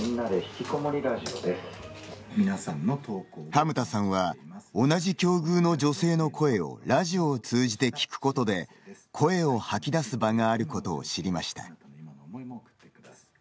はむたさんは同じ境遇の女性の声をラジオ通じて聞くことで声を吐き出す場があることを知りました。